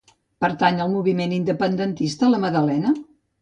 Pertany al moviment independentista la Madalena?